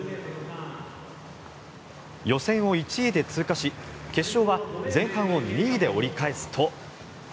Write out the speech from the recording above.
予選を１位で通過し決勝は前半を２位で折り返すと。